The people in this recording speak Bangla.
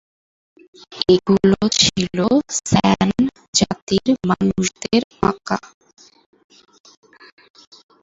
এগুলো ছিল স্যান জাতির মানুষদের আঁকা।